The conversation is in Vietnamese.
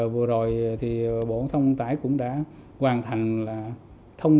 vừa rồi thì bộ thông tải cũng đã hoàn thành